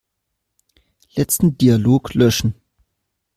Letzten Dialog löschen.